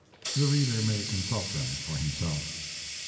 The reader may consult them for himself.